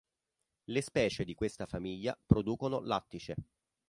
Le specie di questa famiglia producono lattice.